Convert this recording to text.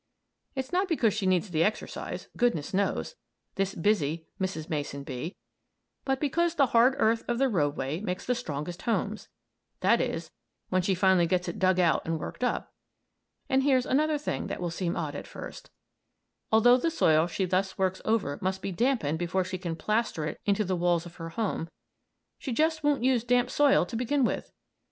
It's not because she needs the exercise, goodness knows this busy Mrs. Mason Bee but because the hard earth of the roadway makes the strongest homes; that is, when she finally gets it dug out and worked up. And here's another thing that will seem odd at first; although the soil she thus works over must be dampened before she can plaster it into the walls of her home, she just won't use damp soil to begin with.